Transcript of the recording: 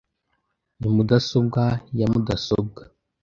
Ni mudasobwa ya mudasobwa .